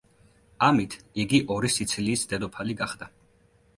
ამით იგი ორი სიცილიის დედოფალი გახდა.